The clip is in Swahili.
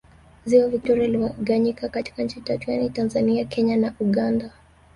Ziwa Victoria limegawanyika katika nchi tatu yaani Tanzania Kenya na Uganda